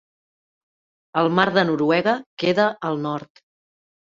El mar de Noruega queda al nord.